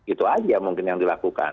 itu aja mungkin yang dilakukan